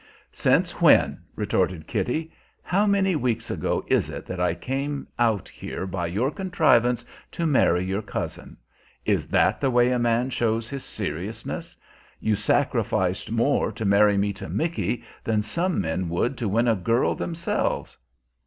"Since when?" retorted Kitty. "How many weeks ago is it that I came out here by your contrivance to marry your cousin? Is that the way a man shows his seriousness? You sacrificed more to marry me to Micky than some men would to win a girl themselves."